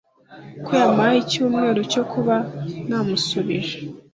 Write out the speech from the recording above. ko yampaye icyumweru cyo kuba namusubije